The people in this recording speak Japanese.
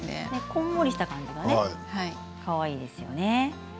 こんもりした感じがかわいいですね。